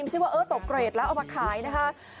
ชื่อว่าเออตกเกรดแล้วเอามาขายนะคะ